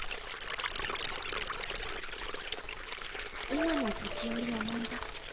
今も時折思い出す。